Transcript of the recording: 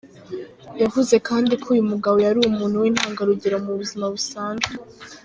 Yavuze kandi ko uyu mugabo yari umuntu w’intangarugero mu buzima busanzwe.